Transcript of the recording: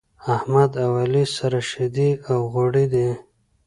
احمد او علي سره شيدې او غوړي دی.